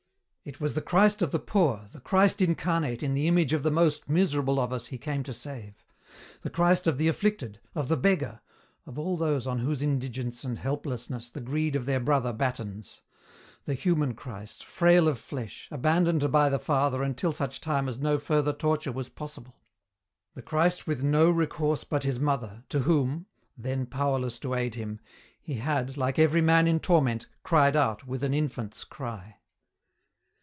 It was the Christ of the poor, the Christ incarnate in the image of the most miserable of us He came to save; the Christ of the afflicted, of the beggar, of all those on whose indigence and helplessness the greed of their brother battens; the human Christ, frail of flesh, abandoned by the Father until such time as no further torture was possible; the Christ with no recourse but His Mother, to Whom then powerless to aid Him He had, like every man in torment, cried out with an infant's cry.